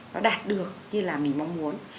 nó đạt được như là mình mong muốn